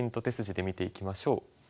手筋で見ていきましょう。